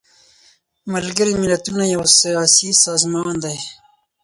ملګري ملتونه یو سیاسي سازمان دی.